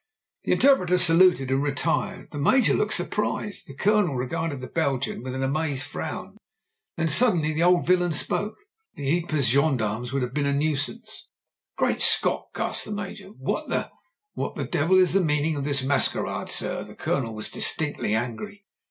The interpreter saluted and retired, the Major looked surprised, the Colonel regarded the Belgian with an amazed frown. Then suddenly the old villain spoke. "Thank you, Colonel. Those Ypres gendarmes would have been a nuisance." "Great Scot !" gasped the Major. "What the '' "What the devil is the meaning of this masquerade, sir ?" The Colonel was distinctly angry.